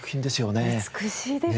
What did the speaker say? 美しいですね。